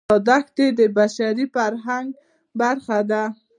دا دښتې د بشري فرهنګ برخه ده.